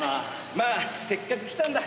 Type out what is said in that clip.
まあせっかく来たんだ。